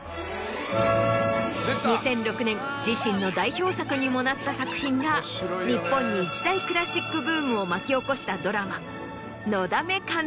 ２００６年自身の代表作にもなった作品が日本に一大クラシックブームを巻き起こしたドラマ。